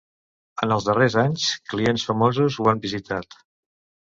En els darrers anys, clients famosos ho han visitat.